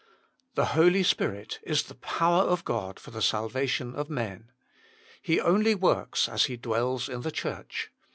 The Holy Spirit is the power of God for the salvation of men. He only works as He dwells in the Church.